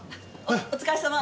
お疲れさま。